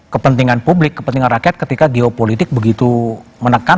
kepentingan publik kepentingan rakyat ketika geopolitik begitu menekan